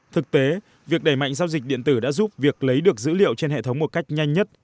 thực tế việc đẩy mạnh giao dịch điện tử đã giúp việc lấy được dữ liệu trên hệ thống một cách nhanh nhất